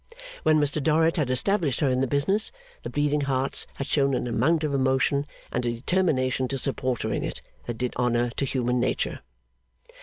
When Mr Dorrit had established her in the business, the Bleeding Hearts had shown an amount of emotion and a determination to support her in it, that did honour to human nature.